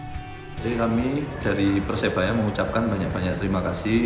jadi kami dari persebayar mengucapkan banyak banyak terima kasih